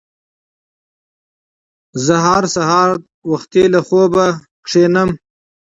زه هر سهار وختي له خوبه پاڅېږم